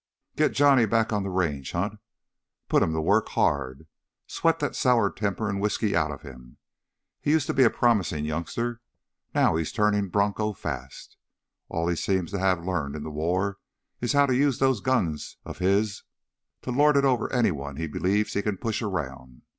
Get Johnny back on the Range, Hunt—put him to work, hard. Sweat that sour temper and whisky out of him. He used to be a promising youngster; now he's turning bronco fast. All he seems to have learned in the war is how to use those guns of his to lord it over anyone he believes he can push around.